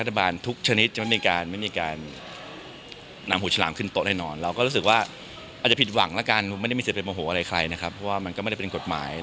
คุณต้องการการสุดท้ายหรือคุณต้องการรับสุดท้าย